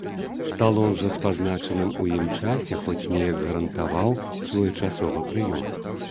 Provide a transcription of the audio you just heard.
Талон жа з пазначаным у ім часе хоць неяк гарантаваў своечасовы прыём.